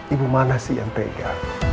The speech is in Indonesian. ibu mana sih yang tega